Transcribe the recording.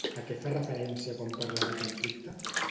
A què fa referència quan parla de conflicte?